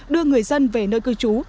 đưa người dân về nơi cư trú